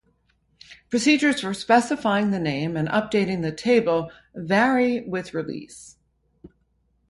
Procedures for specifying the name and updating the table vary with release.